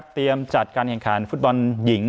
เตรียมจัดการแข่งขาลฟุตบอลหญิง